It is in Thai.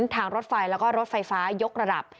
ทางรถไฟแล้วก็รถไฟฟ้ายกระดับ